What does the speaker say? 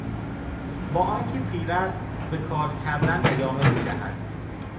با آنکه پیر است به کار کردن ادامه میدهد.